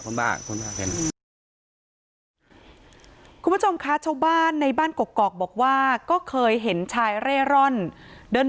แล้วเขาก็ไม่ค่อยสนใจด้วย